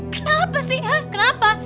kenapa sih hah kenapa